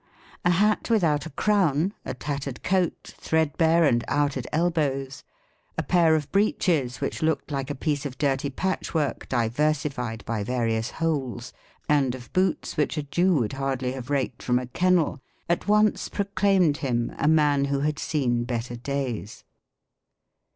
*■' A hat without a crown, a tattered coat, threadbare and out at elbows, a pair of breeches which looked like a piece of dirty ;)atchvvork diversified by various holes, and of boots which a Jew would hardly have raked from a kennel, at once proclaimed him a man who had seen better days."